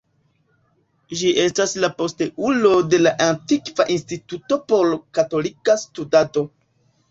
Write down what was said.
Ĝi estas la posteulo de la antikva Instituto por Katolika Studado.